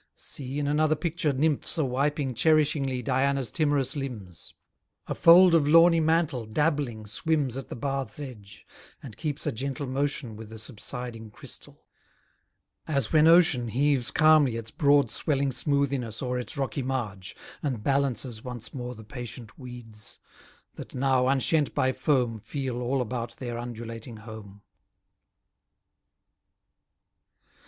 See, in another picture, nymphs are wiping Cherishingly Diana's timorous limbs; A fold of lawny mantle dabbling swims At the bath's edge, and keeps a gentle motion With the subsiding crystal: as when ocean Heaves calmly its broad swelling smoothiness o'er Its rocky marge, and balances once more The patient weeds; that now unshent by foam Feel all about their undulating home.